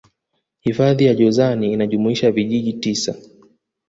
hifadhi ya jozani inajumuisha vijiji tisa